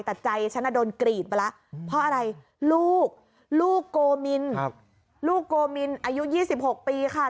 แต่ใจฉันโดนกรีดไปแล้วเพราะอะไรลูกลูกโกมินลูกโกมินอายุ๒๖ปีค่ะ